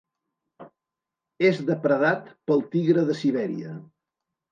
És depredat pel tigre de Sibèria.